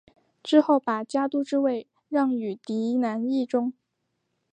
之后把家督之位让与嫡男义忠。